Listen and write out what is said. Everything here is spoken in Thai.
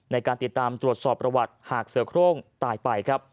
ในการติดตามตรวจสอบประวัติหากเสือโครงตายไปครับ